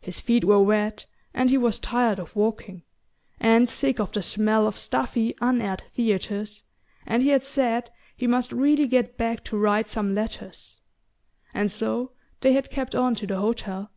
His feet were wet, and he was tired of walking, and sick of the smell of stuffy unaired theatres, and he had said he must really get back to write some letters and so they had kept on to the hotel...